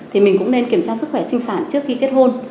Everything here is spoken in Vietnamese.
thì mình cũng nên kiểm tra sức khỏe sinh sản trước khi kết hôn